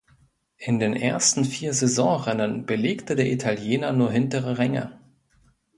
In den ersten vier Saisonrennen belegte der Italiener nur hintere Ränge.